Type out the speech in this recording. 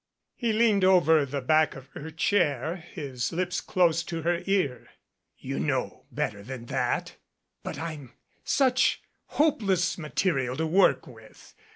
He leaned over the back of her chair, his lips close to her ear. "You know better than that. But I'm such hopeless material to work with.